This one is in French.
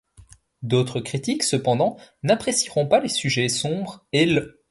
D'autres critiques, cependant, n'apprécieront pas les sujets sombres et l'.